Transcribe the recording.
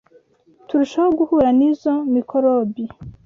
turushaho guhura n’izo mikorobi;